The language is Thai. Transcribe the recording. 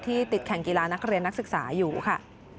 ติดแข่งกีฬานักเรียนนักศึกษาอยู่ค่ะ